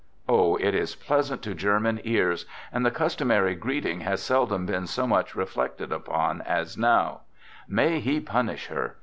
Oh, it is pleasant to German ears, and the customary greet ing has seldom been so much reflected upon, as now, " May He punish her!